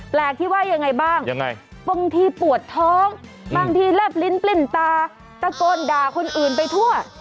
ที่ว่ายังไงบ้างบางทีปวดท้องบางทีแลบลิ้นปลิ้นตาตะโกนด่าคนอื่นไปทั่ว